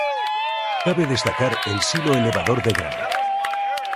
Cabe destacar el silo elevador de grano.